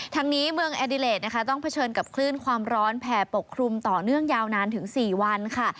ทั้งนี้เมืองแอดิเลสนะคะต้องเผชิญกับคลื่นความร้อนแผ่ปกคลุมต่อเนื่องยาวนานถึง๔วันค่ะ